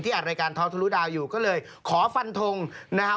ที่อัดรายการท้อทุรุดาวอยู่ก็เลยขอฟันธงนะฮะ